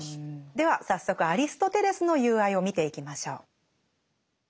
では早速アリストテレスの「友愛」を見ていきましょう。